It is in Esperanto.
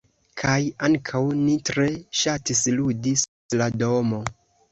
Kaj ankaŭ, ni tre ŝatis ludi sub la domo.